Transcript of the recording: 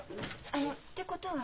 あのってことは？